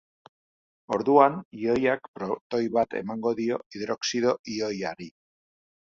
Orduan, ioiak protoi bat emango dio hidroxido ioiari.